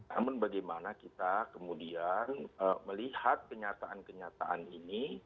namun bagaimana kita kemudian melihat kenyataan kenyataan ini